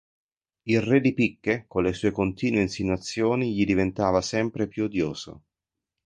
Il re di picche, con le sue continue insinuazioni, gli diventava sempre più odioso.